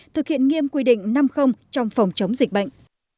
thực hiện nghiêm quy định năm trong phòng chống dịch bệnh